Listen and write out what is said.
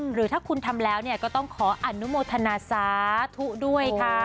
หรือถ้าคุณทำแล้วเนี่ยก็ต้องขออนุโมทนาศาสตร์ทุกด้วยค่ะ